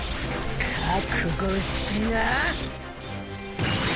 覚悟しな。